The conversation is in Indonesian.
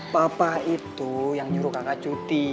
papa itu yang nyuruh kakak cuti